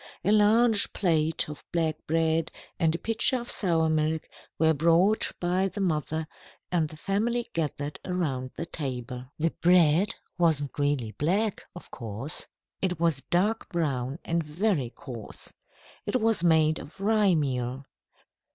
A large plate of black bread and a pitcher of sour milk were brought by the mother, and the family gathered around the table. The bread wasn't really black, of course. It was dark brown and very coarse. It was made of rye meal.